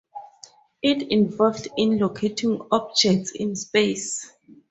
It is involved in locating objects in space.